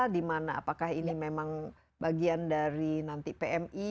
dimana apakah ini memang bagian dari nanti pmi